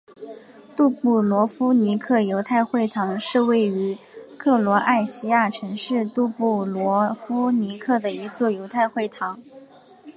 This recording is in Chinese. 杜布罗夫尼克犹太会堂是位于克罗埃西亚城市杜布罗夫尼克的一座犹太会堂。